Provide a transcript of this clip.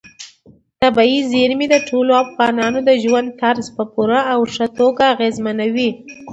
طبیعي زیرمې د ټولو افغانانو د ژوند طرز په پوره او ښه توګه اغېزمنوي.